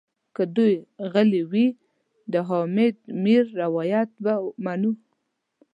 که دوی غلي وي د حامد میر روایت به منو.